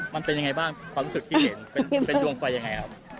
มันเป็นยังไงบ้างความรู้สึกที่เห็นเป็นดวงไฟยังไงครับ